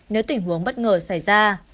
nếu tình huống bất ngờ xảy ra